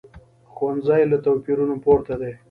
ښوونځی له توپیرونو پورته دی